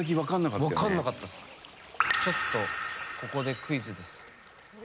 ちょっとここでクイズです。